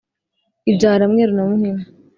Ibyara mweru na muhima.